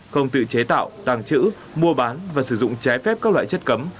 không tự chế tạo tàng trữ mua bán và sử dụng trái phép các loại chất cấm